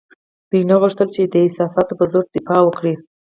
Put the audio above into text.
دوی نه غوښتل چې د احساساتو په زور دفاع وکړي.